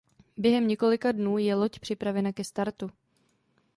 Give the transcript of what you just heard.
Během několika dnů je loď připravena ke startu.